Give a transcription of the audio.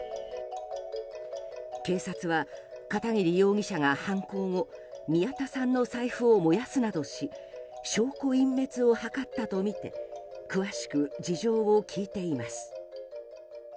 警察は片桐容疑者が犯行後宮田さんの財布を燃やすなどし証拠隠滅を図ったとみて詳しく事情を聴いています。